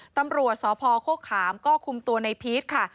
ตำรวจสพโฆขามก็คุมตัวในพีชค่ะ